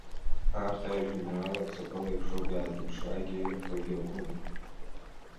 Арҭ аҩ-жәеинраалак ҵакыла еиԥшуп, иаадырԥшуагьы ирҳәогьы акоуп…